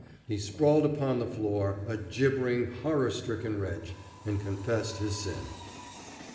He sprawled upon the floor, a gibbering, horror stricken wretch, and confessed his sin.